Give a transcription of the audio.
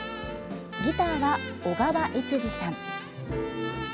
ギターは小川悦司さん。